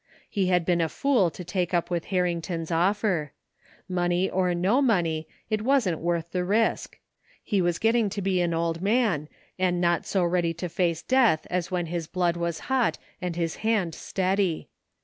He had been a fool to take up with Harrington's offer. Money or no money, it wasn't worth the risk. He was getting to be an old man and not so ready to face death as when his blood was hot and his hand steady.